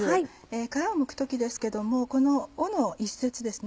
殻をむく時ですけどもこの尾の１節ですね。